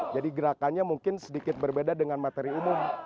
jadi gerakannya mungkin sedikit berbeda dengan materi umum